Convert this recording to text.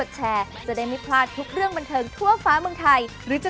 จากพี่หนูเล็กใช่ไหมคะ